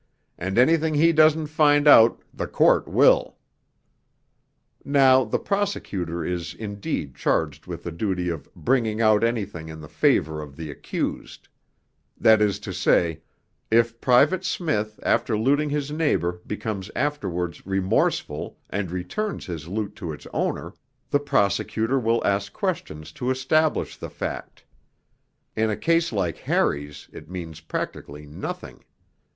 and anything he doesn't find out the Court will.' Now the Prosecutor is indeed charged with the duty of 'bringing out anything in the favour of the Accused': that is to say, if Private Smith after looting his neighbour becomes afterwards remorseful and returns his loot to its owner, the Prosecutor will ask questions to establish the fact. In a case like Harry's it means practically nothing.